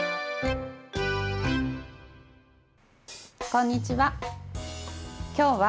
こんにちは。